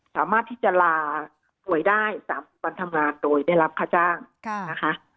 สามารถที่จะลาป่วยได้๓วันทำงานโดยได้รับค่าจ้างนะคะ